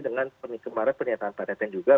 dengan penyelidikan para penyertaan pariten juga